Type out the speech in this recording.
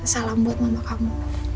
salam buat mama kamu